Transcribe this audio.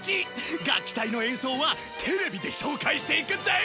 楽器隊の演奏はテレビで紹介していくぜ！